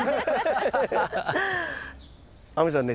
亜美さんね